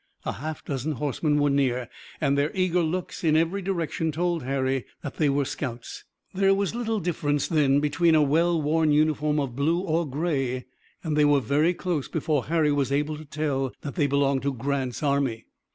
A half dozen horsemen were near and their eager looks in every direction told Harry that they were scouts. There was little difference then between a well worn uniform of blue or gray, and they were very close before Harry was able to tell that they belonged to Grant's army.